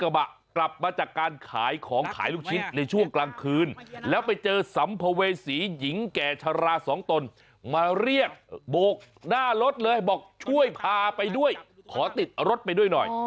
โบกหน้ารถเลยบอกช่วยพาไปด้วยขอติดรถไปด้วยหน่อย